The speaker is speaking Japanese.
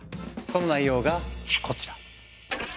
その内容がこちら。